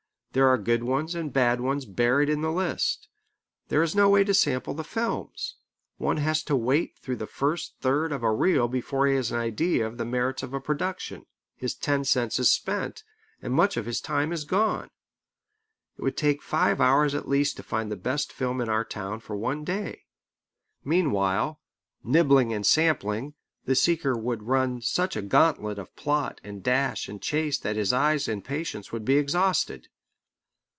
There are good ones and bad ones buried in the list. There is no way to sample the films. One has to wait through the first third of a reel before he has an idea of the merits of a production, his ten cents is spent, and much of his time is gone. It would take five hours at least to find the best film in our town for one day. Meanwhile, nibbling and sampling, the seeker would run such a gantlet of plot and dash and chase that his eyes and patience would be exhausted.